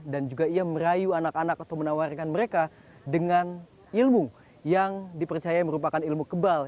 dan juga ia merayu anak anak atau menawarkan mereka dengan ilmu yang dipercaya merupakan ilmu kebal